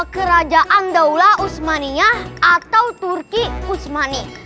kerajaan daula usmaniyah atau turki usmani